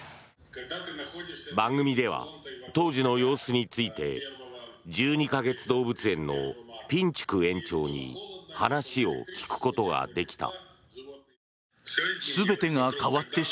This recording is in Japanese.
番組では当時の様子について１２か月動物園のピンチュク園長に話を聞くことができた。